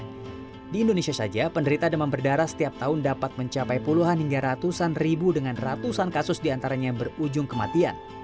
di indonesia saja penderita demam berdarah setiap tahun dapat mencapai puluhan hingga ratusan ribu dengan ratusan kasus diantaranya yang berujung kematian